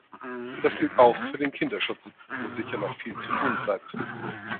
Das gilt auch für den Kinderschutz, wo sicher noch viel zu tun bleibt.